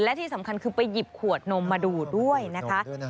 และที่สำคัญคือไปหยิบขวดนมมาดูด้วยนะคะ